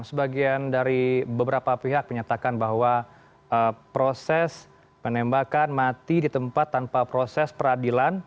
sebagian dari beberapa pihak menyatakan bahwa proses penembakan mati di tempat tanpa proses peradilan